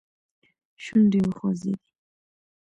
شونډې وخوځېدې.